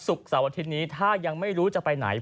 เสาร์อาทิตย์นี้ถ้ายังไม่รู้จะไปไหน